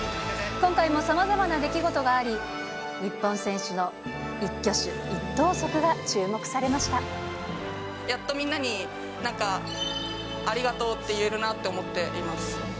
今回もさまざまな出来事があり、日本選手の一挙手一投足が注目さやっとみんなになんか、ありがとうって言えるなと思っています。